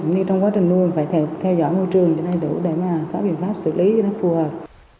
như trong quá trình nuôi phải theo dõi môi trường cho đủ để có biện pháp xử lý cho nó phù hợp